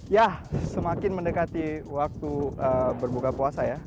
ya semakin mendekati waktu berbuka puasa ya